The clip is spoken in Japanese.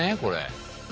これ。